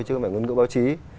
chứ không phải ngôn ngữ báo chí